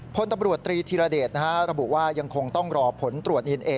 พลตำรวจตรีธีรเดชระบุว่ายังคงต้องรอผลตรวจดีเอนเอ